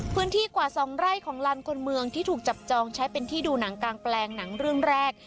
พื้นที่กว่า๒ไร่ของลานคนเมืองที่ถูกจับจองใช้เป็นที่ดูหนังกลางแปลงหนังเรื่องแรก